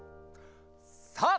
さあ